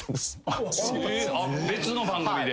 別の番組で？